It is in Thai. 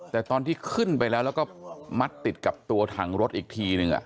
แต่ตอนที่ขึ้นไปแล้วแล้วก็มัดติดกับตัวถังรถอีกทีนึง